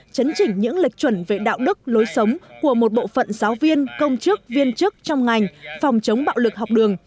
chấn chỉnh những lệch chuẩn về đạo đức lối sống của một bộ phận giáo viên công chức viên chức trong ngành phòng chống bạo lực học đường